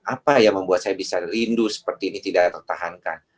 apa yang membuat saya bisa rindu seperti ini tidak tertahankan